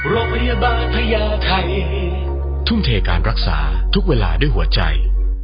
โรงพยาบาลพญาไทยทุ่มเทการรักษาทุกเวลาด้วยหัวใจ